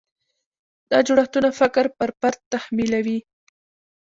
دا جوړښتونه فقر پر فرد تحمیلوي.